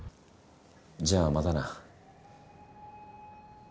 じゃあまたな。